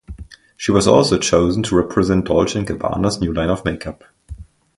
She was also chosen to represent Dolce and Gabbana's new line of makeup.